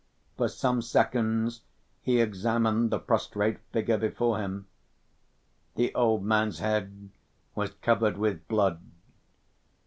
For some seconds he examined the prostrate figure before him. The old man's head was covered with blood.